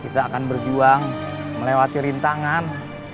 kita akan berjuang melewati rintangan